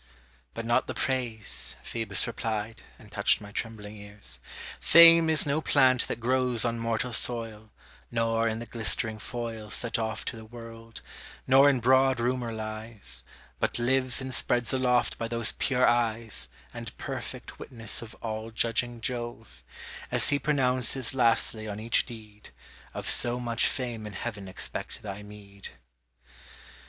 But not the praise, Phoebus replied, and touched my trembling ears; Fame is no plant that grows on mortal soil, Nor in the glistering foil Set off to the world, nor in broad rumor lies; But lives and spreads aloft by those pure eyes And perfect witness of all judging Jove; As he pronounces lastly on each deed, Of so much fame in heaven expect thy meed.